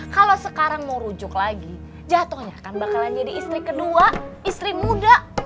kalo sekarang mau rujuk lagi jatohnya akan bakalan jadi istri kedua istri muda